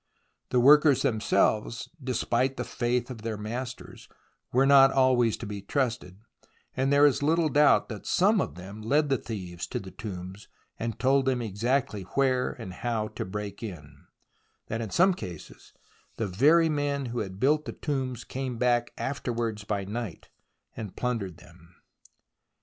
The workers themselves, despite the faith of their masters, were not always to be trusted, and there is little doubt that some of them led the thieves to the tombs and told them exactly where and how to break in, that in some cases the very men who had built the tombs came back afterwards by night and plundered them.